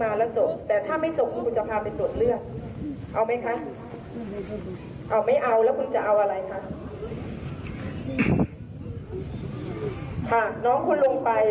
ไม่ว่าจะกินกี่ครั้งกี่ครั้งมันก็ต้องแพ้